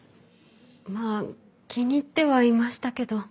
まあ気に入ってはいましたけど。